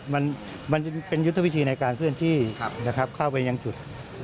มันเป็นยุทธวิธีในการเพื่อนที่เข้าไปอย่างจุด